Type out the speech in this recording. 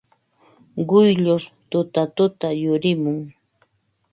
Quyllur tutatuta yurimun.